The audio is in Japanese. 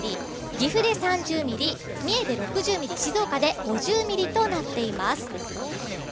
岐阜で３０ミリ、三重で４０ミリ、静岡で５０ミリとなっています。